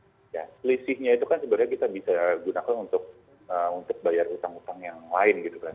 ya selisihnya itu kan sebenarnya kita bisa gunakan untuk bayar utang utang yang lain gitu kan